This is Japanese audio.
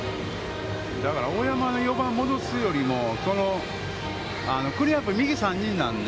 だから大山の４番を戻すよりも、クリーンナップ、右３人なので